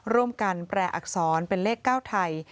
ร่วมกันแปรอักษรเป็นเลข๙ไทย